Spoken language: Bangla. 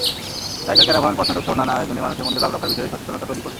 টাইগার ক্যারাভ্যান পথনাটকসহ নানা আয়োজনে মানুষের মধ্যে বাঘ রক্ষার বিষয়ে সচেতনতা তৈরি করবে।